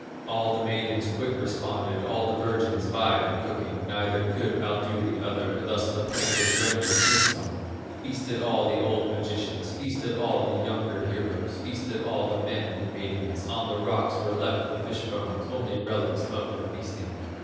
All the maidens quick responded, All the virgins vied in cooking; Neither could outdo the other, Thus the pike was rendered toothsome. Feasted all the old magicians, Feasted all the younger heroes, Feasted all the men and maidens; On the rocks were left the fish bones, Only relics of their feasting.